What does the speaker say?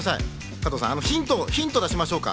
加藤さん、ヒントを出しましょうか。